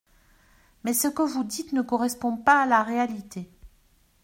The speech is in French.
Mais ce que vous dites ne correspond pas à la réalité.